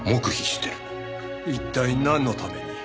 一体なんのために？